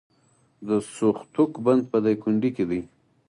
د سوختوک بند په دایکنډي کې دی